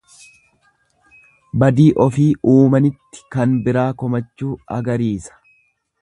Badii ofii uumanitti kan biraa komachuu agariisa.